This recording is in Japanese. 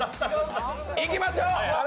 いきましょう！